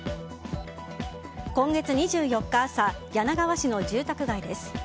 今月２４日朝柳川市の住宅街です。